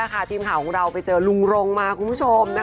ล่าสุดทีมข่าวของเราไปเจอรุงรงค์มาคุณผู้ชม